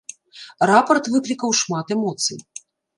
Рапарт выклікаў шмат эмоцый.